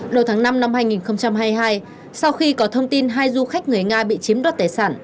đầu tháng năm năm hai nghìn hai mươi hai sau khi có thông tin hai du khách người nga bị chiếm đoạt tài sản